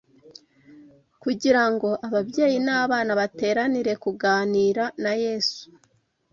kugira ngo ababyeyi n’abana bateranire kuganira na Yesu